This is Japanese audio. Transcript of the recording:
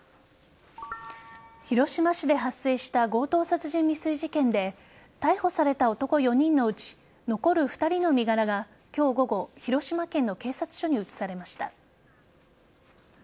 広島市で発生した強盗殺人未遂事件で逮捕された男４人のうち残る２人の身柄が今日午後広島県の警察署に移されました。